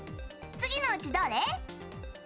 次のうち、どれ？